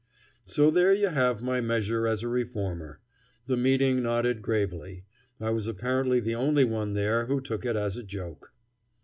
So there you have my measure as a reformer. The meeting nodded gravely. I was apparently the only one there who took it as a joke.